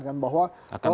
akan membahas reklamasi